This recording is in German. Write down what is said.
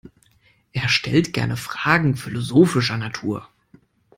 Er stellt gerne Fragen philosophischer Natur.